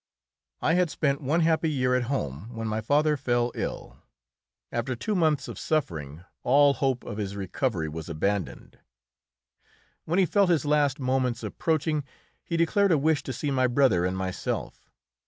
I had spent one happy year at home when my father fell ill. After two months of suffering all hope of his recovery was abandoned. When he felt his last moments approaching, he declared a wish to see my brother and myself.